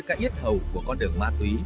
cái ít hầu của con đường ma túy